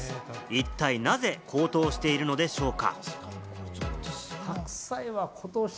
一体、なぜ高騰をしているのでしょうか？